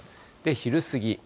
昼過ぎ。